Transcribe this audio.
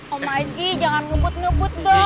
om aji jangan ngebut ngebut dong